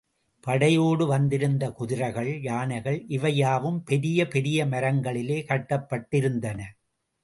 படையோடு வந்திருந்த குதிரைகள், யானைகள் இவை யாவும் பெரிய பெரிய மரங்களிலே கட்டப்பட்டிருந்தன.